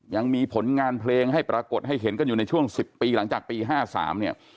ยังมีผลงานเพลงให้ปรากฏให้เห็นกันอยู่ในช่วง๑๐ปีหลังจากปี๕๓เนี่ย